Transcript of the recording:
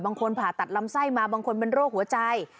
ผ่าตัดลำไส้มาบางคนเป็นโรคหัวใจ